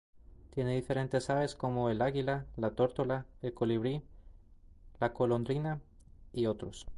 Tiene diferentes aves como el águila, la tórtola, el colibrí, la golondrina y otros.